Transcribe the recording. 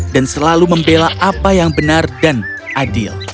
dan selalu membela apa yang benar dan adil